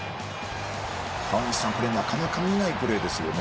川西さん、これなかなか見ないプレーですよね。